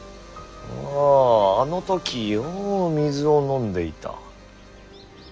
あああの時よう水を飲んでいた。